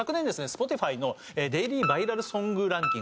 Ｓｐｏｔｉｆｙのデイリーバイラルソングランキング